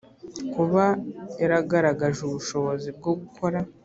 kuba yaragaragaje ubushobozi bwo gukora